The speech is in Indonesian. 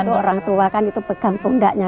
atau orang tua kan itu pegang pundaknya